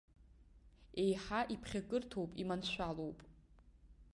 Еиҳа иԥхьакырҭоуп, иманшәалоуп.